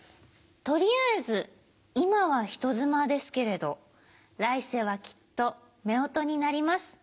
取りあえず今は人妻ですけれど来世はきっとめおとになります。